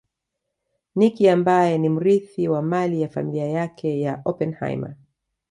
Nicky ambaye ni mrithi wa mali ya familia yake ya Oppenheimer